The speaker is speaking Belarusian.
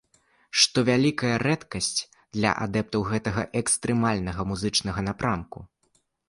Што вялікая рэдкасць для адэптаў гэтага экстрэмальнага музычнага напрамку.